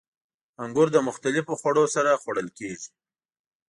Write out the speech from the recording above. • انګور د مختلفو خوړو سره خوړل کېږي.